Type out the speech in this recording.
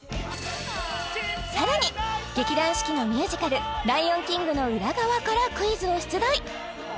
さらに劇団四季のミュージカル「ライオンキング」の裏側からクイズを出題